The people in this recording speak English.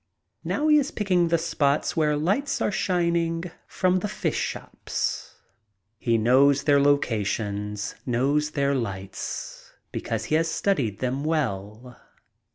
Now he is picking the spots where lights are shining from the fish shops. He knows their locations, knows their lights because he has studied them well.